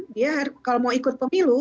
dia kalau mau ikut pemilu